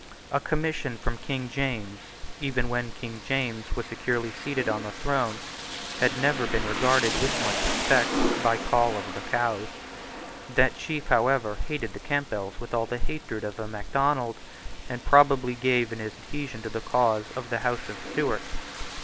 A commission from King James, even when King James was securely seated on the throne, had never been regarded with much respect by Coll of the Cows. That chief, however, hated the Campbells with all the hatred of a Macdonald, and promptly gave in his adhesion to the cause of the House of Stuart.